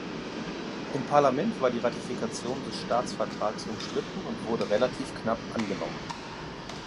Im Parlament war die Ratifikation des Staatsvertrags umstritten und wurde relativ knapp angenommen.